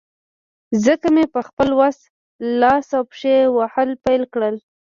ځکه مې په خپل وس، لاس او پښې وهل پیل کړل.